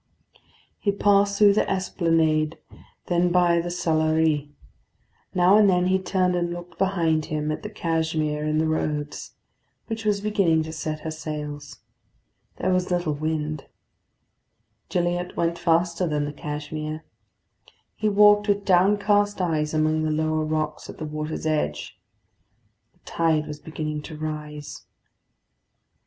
He passed through the Esplanade, then by the Salerie. Now and then he turned and looked behind him at the Cashmere in the roads, which was beginning to set her sails. There was little wind; Gilliatt went faster than the Cashmere. He walked with downcast eyes among the lower rocks at the water's edge. The tide was beginning to rise.